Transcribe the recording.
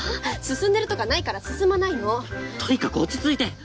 進んでるとかないから進まないのとにかく落ち着いて！